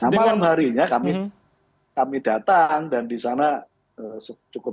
malam harinya kami datang dan disana cukup